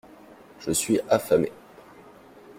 Je suis affamé.